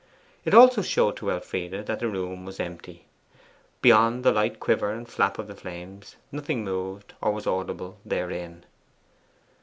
It also showed to Elfride that the room was empty. Beyond the light quiver and flap of the flames nothing moved or was audible therein.